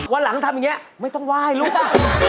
วันหลังทำอย่างนี้ไม่ต้องไหว้ลูก